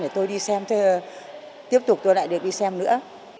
để tôi đi xem tôi tiếp tục tôi lại được đi xem nữa